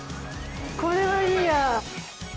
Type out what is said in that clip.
これはいいや。